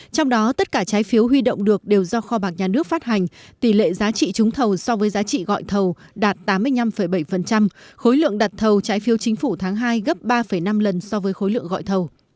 trong đó tất cả trái phiếu huy động được đều do kho bạc nhà nước phát hành tỷ lệ giá trị trúng thầu so với giá trị gọi thầu đạt tám mươi năm bảy khối lượng đặt thầu trái phiếu chính phủ tháng hai gấp ba năm lần so với khối lượng gọi thầu